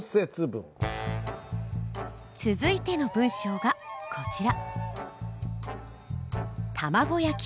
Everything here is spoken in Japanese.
続いての文章がこちら。